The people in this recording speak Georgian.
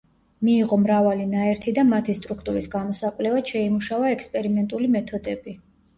მიიღო მრავალი ნაერთი და მათი სტრუქტურის გამოსაკვლევად შეიმუშავა ექსპერიმენტული მეთოდები.